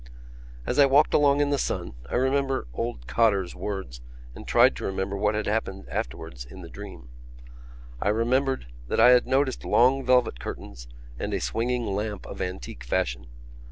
As I walked along in the sun I remembered old Cotter's words and tried to remember what had happened afterwards in the dream. I remembered that I had noticed long velvet curtains and a swinging lamp of antique fashion.